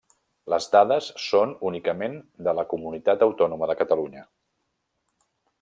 Les dades són únicament de la Comunitat Autònoma de Catalunya.